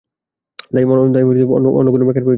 তাই অন্য কোন ব্যাখ্যার প্রয়োজন নেই।